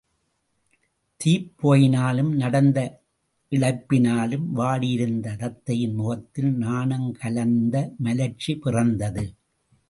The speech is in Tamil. தீப் புகையினாலும் நடந்த இளைப்பினாலும் வாடியிருந்த தத்தையின் முகத்தில் நாணங் கலந்த மலர்ச்சி பிறந்தது.